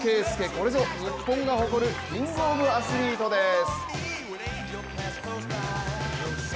これぞ日本が誇るキングオブアスリートです。